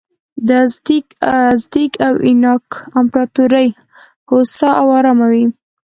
د ازتېک او اینکا امپراتورۍ هوسا او ارامه وې.